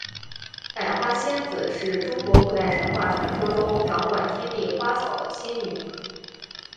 百花仙子是中国古代神话传说中掌管天地花草的仙女。